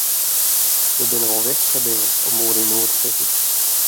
Der binne wol wichtiger dingen om oer yn noed te sitten.